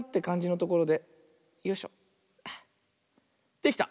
できた！